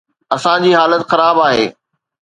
اسان جي حالت خراب آهي.